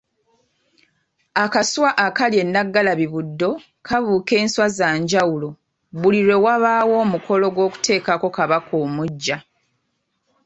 Akaswa akali e Nnaggalabi Buddo kabuuka enswa za njawulo buli lwe wabaawo omukolo gwokutekako kabaka omuggya.